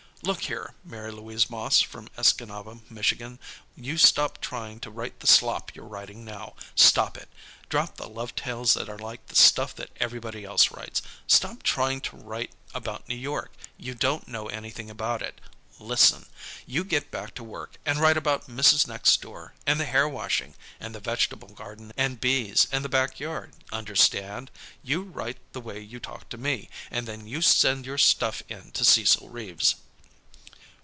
"Look here, Mary Louise Moss, from Escanaba, Michigan, you stop trying to write the slop you're writing now. Stop it. Drop the love tales that are like the stuff that everybody else writes. Stop trying to write about New York. You don't know anything about it. Listen. You get back to work, and write about Mrs. Next Door, and the hair washing, and the vegetable garden, and bees, and the back yard, understand? You write the way you talked to me, and then you send your stuff in to Cecil Reeves."